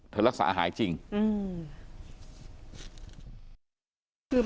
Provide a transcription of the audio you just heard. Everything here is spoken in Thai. รักษาหายจริงอืม